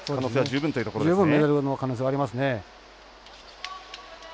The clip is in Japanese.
十分メダルの可能性はありますね。